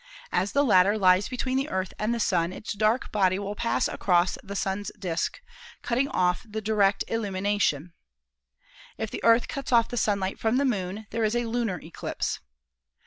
As the latter lies between the Earth and the Sun its dark body will pass across the Sun's disk, cutting off the direct illumi nation. If the Earth cuts off the sunlight from the Moon there is a lunar eclipse.